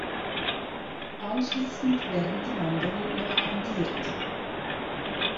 Anschließend werden die Mandeln noch kandiert.